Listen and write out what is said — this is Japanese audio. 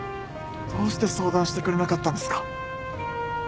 どうして相談してくれなかったんですか？